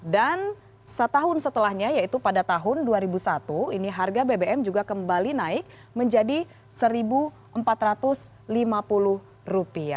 dan setahun setelahnya yaitu pada tahun dua ribu satu ini harga bbm juga kembali naik menjadi rp satu empat ratus lima puluh